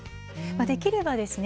できればですね